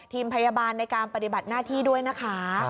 ทีมพยาบาลในการปฏิบัติหน้าที่ด้วยนะคะ